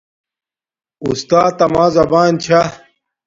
اُستات اما زبان چھا